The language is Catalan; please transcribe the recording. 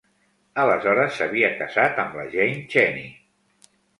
Aleshores, s'havia casat amb la Jane Cheney.